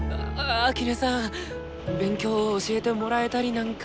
秋音さん勉強教えてもらえたりなんか。